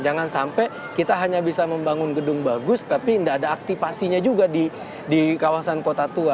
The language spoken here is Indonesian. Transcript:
jangan sampai kita hanya bisa membangun gedung bagus tapi tidak ada aktipasinya juga di kawasan kota tua